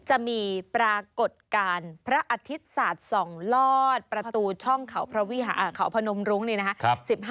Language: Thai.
จะมีปรากฏการณ์พระอาทิตศัตริย์ส่องลอดประตูช่องเขาพระวิหาอ่าเขาพนมรุงนี่นะครับ